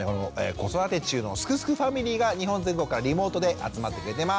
子育て中のすくすくファミリーが日本全国からリモートで集まってくれてます！